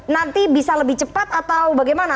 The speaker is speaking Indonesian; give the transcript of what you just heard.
nanti bisa lebih cepat atau bagaimana